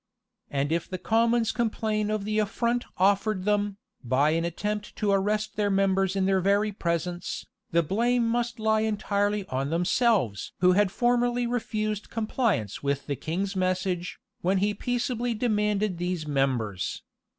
And if the commons complain of the affront offered them, by an attempt to arrest their members in their very presence, the blame must lie entirely on themselves! who had formerly refused compliance with the king's message, when he peaceably demanded these members.